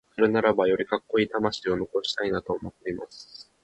それならばよりカッコイイ魂を残したいなと思っています。